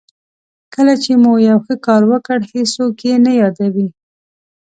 کله چې مو یو ښه کار وکړ هېڅوک یې نه یادوي.